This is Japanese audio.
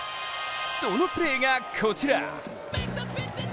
そのプレーがこちら。